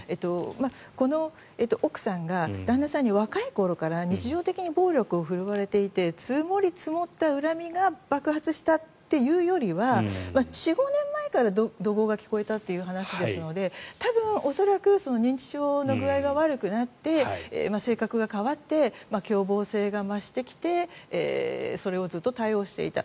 この奥さんが、旦那さんに若い頃から日常的に暴力を振るわれていて積もり積もった恨みが爆発したというよりは４５年前から怒号が聞こえたという話ですので多分、恐らく、認知症の具合が悪くなって性格が変わって凶暴性が増してきてそれをずっと対応していた。